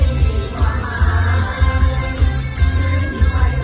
สวัสดีครับ